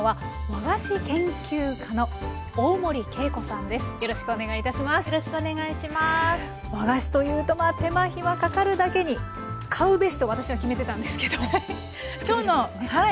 和菓子というとまあ手間暇かかるだけに買うべしと私は決めてたんですけど作れるんですね。